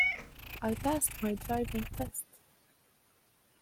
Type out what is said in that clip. I passed my driving test!.